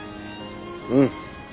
うん。